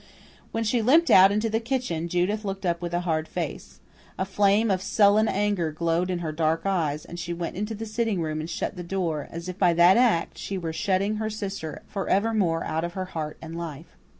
When she limped out into the kitchen, Judith looked up with a hard face. A flame of sullen anger glowed in her dark eyes, and she went into the sitting room and shut the door, as if by that act she were shutting her sister for evermore out of her heart and life.